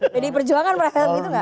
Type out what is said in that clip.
pdi perjuangan merasa begitu nggak